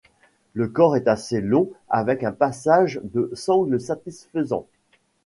Le corps est assez long avec un passage de sangle satisfaisant.